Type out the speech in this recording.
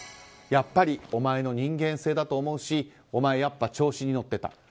やっぱりお前の人間性だと思うしお前、やっぱ調子に乗ってた。